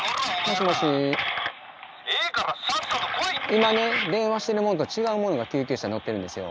今ね電話してるもんとは違うもんが救急車乗ってるんですよ。